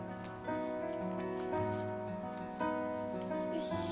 よし。